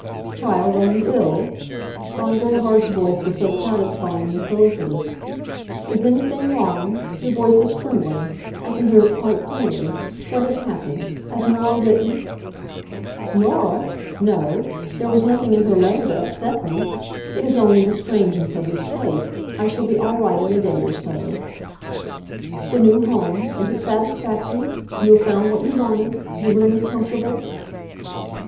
"Child, are you ill?" Von Gerhard's voice was so satisfyingly solicitous. "Is anything wrong? Your voice is trembling. I can hear it quite plainly. What has happened? Has Norah written " "Norah? No. There was nothing in her letter to upset me. It is only the strangeness of this place. I shall be all right in a day or so." "The new home it is satisfactory? You have found what you wanted? Your room is comfortable?"